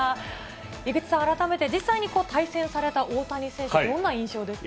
井口さん、改めて実際に対戦された大谷選手、どんな印象ですか。